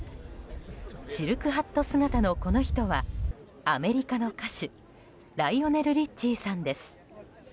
シルクハット姿のこの人はアメリカの歌手ライオネル・リッチーさんです。